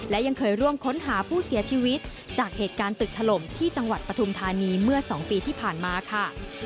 และยังเคยร่วมค้นหาผู้เสียชีวิตจากเหตุการณ์ตึกถล่มที่จังหวัดปฐุมธานีเมื่อ๒ปีที่ผ่านมาค่ะ